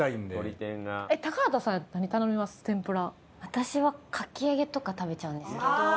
私はかき揚げとか食べちゃうんですけど。